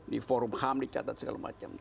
di forum ham dicatat segala macam